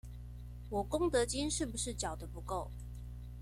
我功德金是不是繳得不夠？